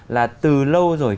là từ lâu rồi